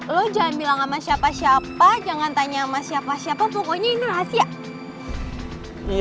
lo jangan bilang sama siapa siapa jangan tanya sama siapa siapa pokoknya ini rahasia